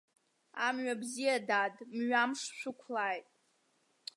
Амҩа бзиа, дад, мҩамш шәықәлааит!